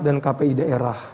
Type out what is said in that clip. dan kpi daerah